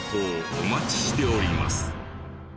お待ちしております。